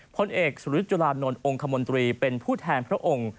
พลเอกสุริยจุลานนท์องค์คมนตรีเป็นผู้แทนพระองค์